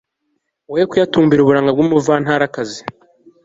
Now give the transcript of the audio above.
woye kuyatumbira uburanga bw'umuvantarakazi